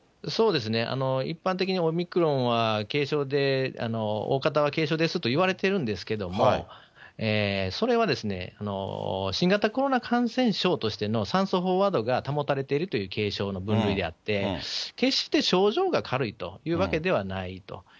そうですね、一般的にオミクロンは軽症で、大方は軽症ですといわれてるんですけれども、それは、新型コロナ感染症としての酸素飽和度が保たれているという軽症の分類であって、決して症状が軽いというわけではないと。